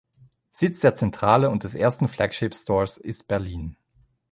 Sitz der Zentrale und des ersten Flagship-Stores ist Berlin.